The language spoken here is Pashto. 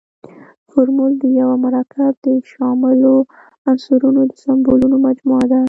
فورمول د یوه مرکب د شاملو عنصرونو د سمبولونو مجموعه ده.